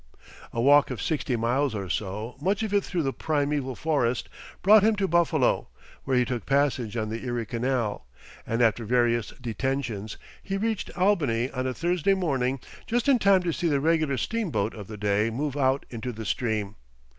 A walk of sixty miles or so, much of it through the primeval forest, brought him to Buffalo, where he took passage on the Erie Canal, and after various detentions, he reached Albany on a Thursday morning just in time to see the regular steamboat of the day move out into the stream.